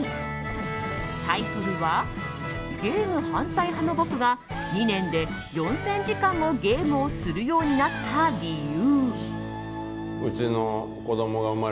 タイトルは「ゲーム反対派の僕が２年で４０００時間もゲームをするようになった理由」。